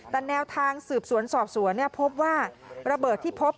แต่แนวทางสืบสวนสอบสวนพบว่าระเบิดที่พบ